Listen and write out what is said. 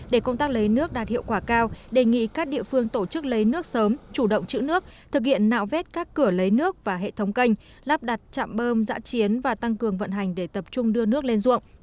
để công tác lấy nước đạt hiệu quả cao đề nghị các địa phương tổ chức lấy nước sớm chủ động chữ nước thực hiện nạo vét các cửa lấy nước và hệ thống canh lắp đặt chạm bơm giã chiến và tăng cường vận hành để tập trung đưa nước lên ruộng